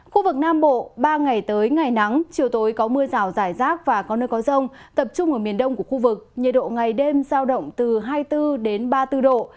khu vực nam bộ ba ngày tới ngày nắng chiều tối có mưa rào rải rác và có nơi có rông tập trung ở miền đông của khu vực nhiệt độ ngày đêm giao động từ hai mươi bốn đến ba mươi bốn độ